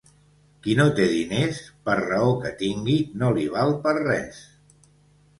Qui no té diners, per raó que tingui, no li val per res.